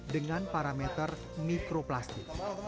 dengan parameter mikroplastik